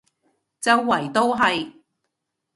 周圍都係